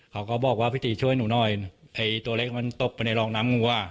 เขาก็บอกว่าพี่ตีช่วยหนูหน่อยไอ้ตัวเล็กมันตกไปในรองน้ำงัว